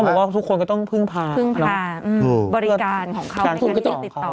เขาบอกว่าทุกคนก็ต้องพึ่งพาพึ่งพาอืมบริการของเขาในการเรียกติดต่อ